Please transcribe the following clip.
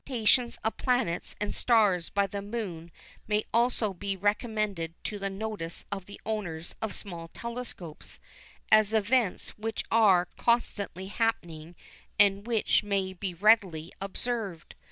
7, 1889 (Immersion)] Occultations of planets and stars by the Moon may also be recommended to the notice of the owners of small telescopes as events which are constantly happening and which may be readily observed.